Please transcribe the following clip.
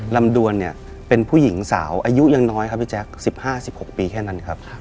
ลำดวนเนี่ยเป็นผู้หญิงสาวอายุยังน้อยครับพี่แจ๊ค๑๕๑๖ปีแค่นั้นครับ